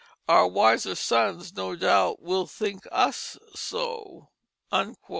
Our wiser sons no doubt will think us so."